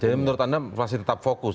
jadi menurut anda masih tetap fokus